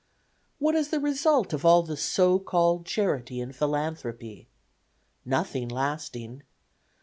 "What is the result of all the so called charity and philanthropy? Nothing lasting.